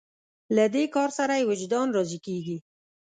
له دې کار سره یې وجدان راضي کېږي.